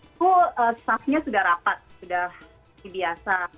itu staffnya sudah rapat sudah biasa